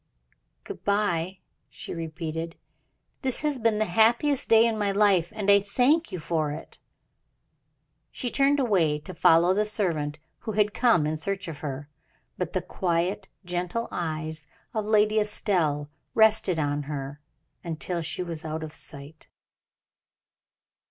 "Good bye!" she repeated. "This has been the happiest day in my life, and I thank you for it." She turned away to follow the servant who had come in search of her, but the quiet, gentle eyes of Lady Estelle rested on her until she was out of sight.